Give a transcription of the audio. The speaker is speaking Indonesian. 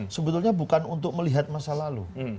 sebetulnya bukan untuk melihat masa lalu